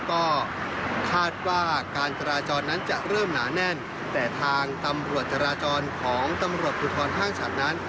ก็คาดว่าการจราจรนั้นจะเริ่มหนาแน่นแต่ทางตำรวจจราจรของตำรวจภูทรห้างฉัดนั้น